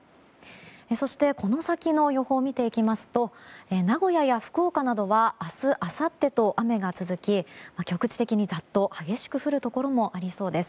そしてこの先の予報を見ていきますと名古屋や福岡などは明日、あさってと雨が続き局地的にざっと激しく降るところもありそうです。